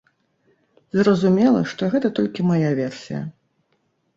Зразумела, што гэта толькі мая версія.